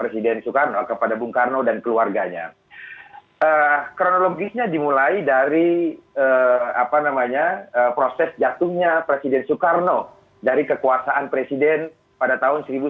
akhirnya sejak saat itu bung karno meninggal dunia dengan membawa beban yang amat berat